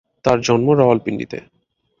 তাঁর জন্ম রাওয়ালপিন্ডিতে।